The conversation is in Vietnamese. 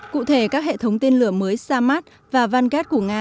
cụ thể các hệ thống tên lửa mới samad và vang của nga